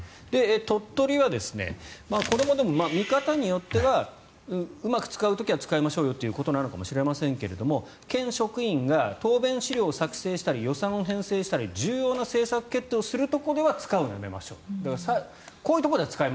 鳥取ではこれも見方によってはうまく使う時は使いましょうということかもしれませんが県職員が答弁資料を作成したり予算を編成したり重要な政策を決定をするところで使うのはやめましょうと。